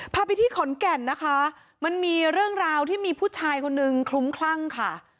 พาไปที่ขอนแก่นนะคะมันมีเรื่องราวที่มีผู้ชายคนนึงคลุ้มคลั่งค่ะ